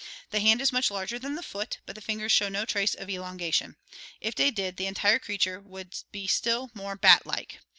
The hand is much larger than the foot, but the fingers show no trace of elonga tion. If they did the entire creature would be still more bat like.